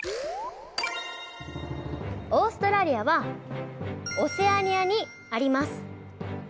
オーストラリアはオセアニアにあります。